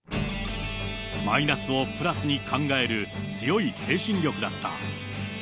マイナスをプラスに考える強い精神力だった。